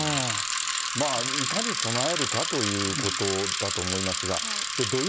いかに備えるかということだと思いますが。